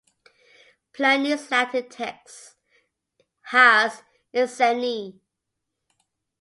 Pliny's Latin text has "Esseni".